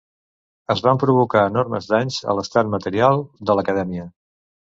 Es van provocar enormes danys a l'estat material de l'Acadèmia.